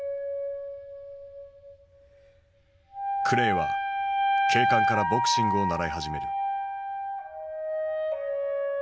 クレイは警官からボクシングを習い始める。